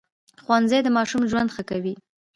ښوونځی د ماشوم ژوند ښه کوي